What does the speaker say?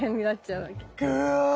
うわ！